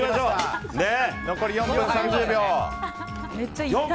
残り４分３０秒。